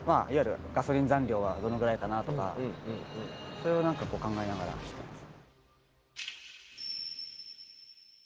それを何か考えながら走ってます。